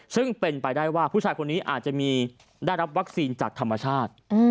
ซึ่งเป็นไปได้ว่าผู้ชายคนนี้อาจจะมีได้รับวัคซีนจากธรรมชาติ